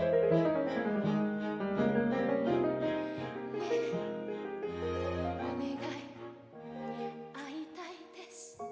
「ねえお願い会いたいです」